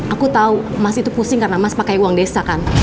aku tahu mas itu pusing karena mas pakai uang desa kan